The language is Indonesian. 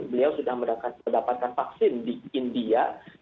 beliau sudah mendapatkan vaksin di india